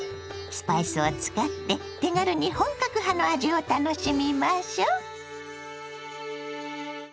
スパイスを使って手軽に本格派の味を楽しみましょう。